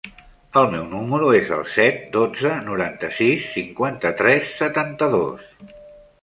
El meu número es el set, dotze, noranta-sis, cinquanta-tres, setanta-dos.